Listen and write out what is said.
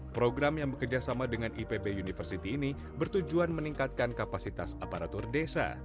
program yang bekerjasama dengan ipb university ini bertujuan meningkatkan kapasitas aparatur desa